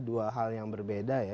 dua hal yang berbeda ya